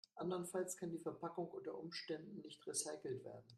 Andernfalls kann die Verpackung unter Umständen nicht recycelt werden.